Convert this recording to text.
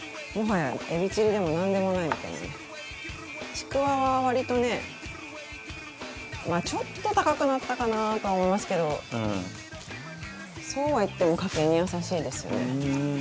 ちくわは割とねまあちょっと高くなったかなとは思いますけどそうは言っても家計に優しいですよね。